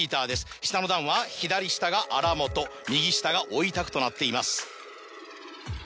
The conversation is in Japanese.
下の段は左下が荒本右下がおいたくとなっています。